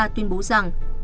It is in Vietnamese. tuyên bố rằng